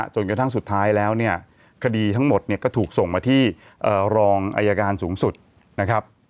จนกระทั่งสุดท้ายแล้วเนี่ยคดีทั้งหมดเนี่ยก็ถูกส่งมาที่รองอายการสูงสุดนะครับ